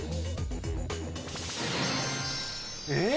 えっ⁉